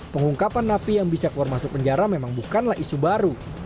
pengungkapan napi yang bisa keluar masuk penjara memang bukanlah isu baru